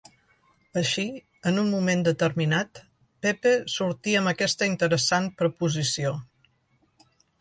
Així, en un moment determinat, Pepe sortí amb aquesta interessant proposició.